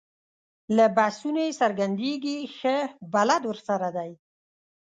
له بحثونو یې څرګندېږي ښه بلد ورسره دی.